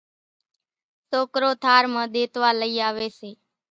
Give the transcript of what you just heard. سوڪرو ٿار مان ۮيتوا لئي آوي سي